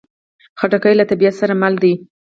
خټکی له طبیعت سره مل دی.